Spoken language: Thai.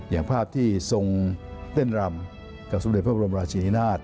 อย่างภาพที่ทรงเต้นรำกับสมเด็จพระบรมราชินินาศ